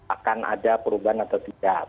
akan ada perubahan atau tidak